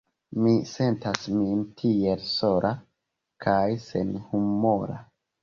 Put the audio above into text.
Mi sentas min tiel sola kaj senhumora."